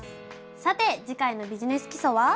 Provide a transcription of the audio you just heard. さて次回の「ビジネス基礎」は？